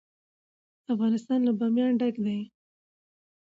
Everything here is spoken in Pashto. افغانستان له بامیان ډک دی.